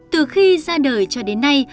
từ khi ra đời cho đến nay